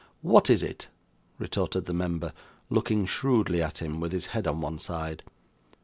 What is it?' retorted the member, looking shrewdly at him, with his head on one side.